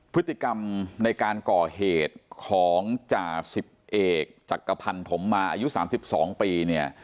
พฤติกรรมในการก่อเหตุของจ่าสิบเอกจักรพันธมมาอายุ๓๒ปีเนี่ย